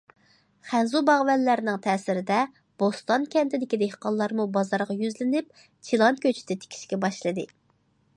خەنزۇ باغۋەنلەرنىڭ تەسىرىدە، بوستان كەنتىدىكى دېھقانلارمۇ بازارغا يۈزلىنىپ، چىلان كۆچىتى تىكىشكە باشلىدى.